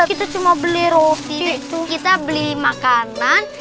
ini cuma beli makanan